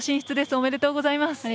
ありがとうございます。